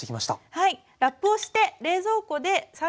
はい。